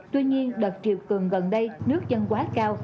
tuy nhiên đợt triều cường gần đây nước dân quá cao